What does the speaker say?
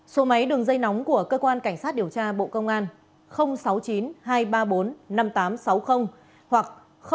số máy đường dây nóng của cơ quan cảnh sát điều tra bộ công an sáu mươi chín hai trăm ba mươi bốn năm nghìn tám trăm sáu mươi hoặc sáu mươi chín hai trăm ba mươi hai một nghìn sáu trăm